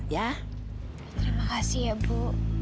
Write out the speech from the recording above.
terima kasih ya bu